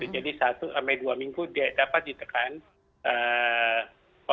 jadi satu dua minggu dia dapat ditekankan